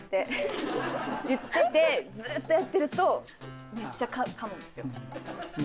ずっとやってるとめっちゃかむんですよ。